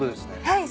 はい。